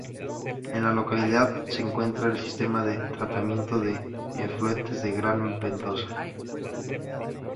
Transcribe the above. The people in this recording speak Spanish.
En la localidad se encuentra el sistema de tratamiento de efluentes del Gran Mendoza.